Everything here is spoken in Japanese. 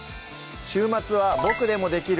週末は「ボクでもできる！